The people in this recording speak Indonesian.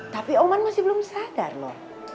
tapi oman masih belum sadar loh